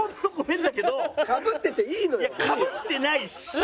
いやかぶってないし。